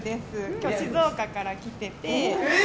今日、静岡から来てて。